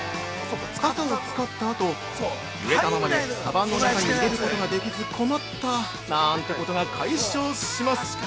傘を使ったあと「ぬれたままでかばんの中に入れることができず困った」なんてことが解消します。